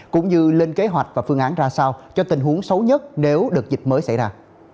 cũng như lên kế hoạch và phương án ra sao cho tình huống xấu nhất nếu đợt dịch mới xảy ra